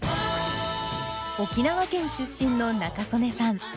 沖縄県出身の仲宗根さん。